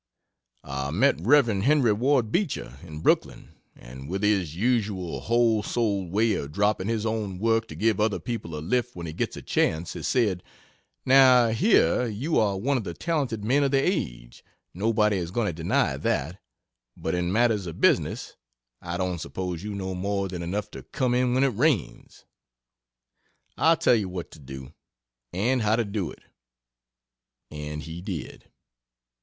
I met Rev. Henry Ward Beecher in Brooklyn, and with his usual whole souled way of dropping his own work to give other people a lift when he gets a chance, he said, "Now, here, you are one of the talented men of the age nobody is going to deny that but in matters of business, I don't suppose you know more than enough to came in when it rains. I'll tell you what to do, and how to do it." And he did.